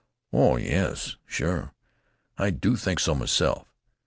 "Oh Yes. Sure. I do think so, myself."